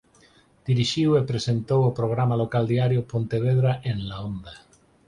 Dirixiu e presentou o programa local diario "Pontevedra en la onda".